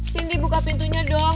cindy buka pintunya dong